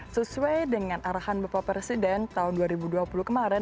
sesuai dengan arahan bapak presiden tahun dua ribu dua puluh kemarin